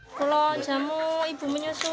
bisa digin pastik dengan itu